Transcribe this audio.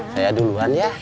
saya duluan ya